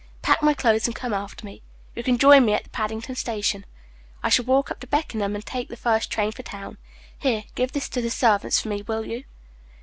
Pack my clothes and come after me. You can join me at the Paddington Station. I shall walk up to Beckenham, and take the first train for town. Here, give this to the servants for me, will you?"